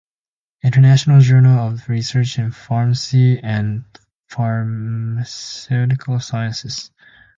International Journal of Research in Pharmacy and Pharmaceutical Sciences.